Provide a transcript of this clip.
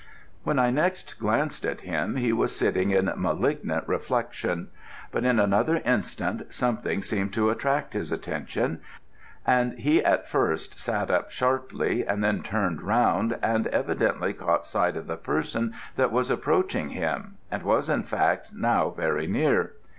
When I next glanced at him he was sitting in malignant reflection; but in another instant something seemed to attract his attention, and he first sat up sharply and then turned round, and evidently caught sight of the person that was approaching him and was in fact now very near.